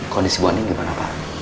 kondisi bu ani gimana pak